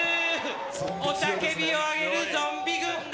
雄たけびを上げるゾンビ軍団！